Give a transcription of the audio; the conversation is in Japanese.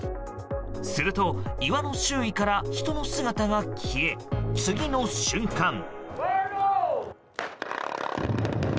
すると、岩の周囲から人の姿が消え、次の瞬間。